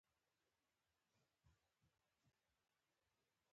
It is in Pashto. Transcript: ما اول ورته په حيرانۍ سره کتل.